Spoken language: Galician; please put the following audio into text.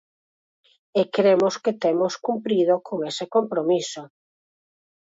E cremos que temos cumprido con ese compromiso.